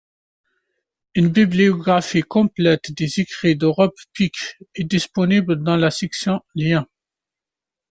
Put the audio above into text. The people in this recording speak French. Une bibliographie complète des écrits de Rob Pike est disponible dans la section Liens.